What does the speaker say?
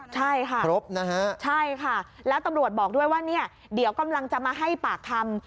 ใช่ค่ะครบนะฮะใช่ค่ะแล้วตำรวจบอกด้วยว่าเนี่ยเดี๋ยวกำลังจะมาให้ปากคำ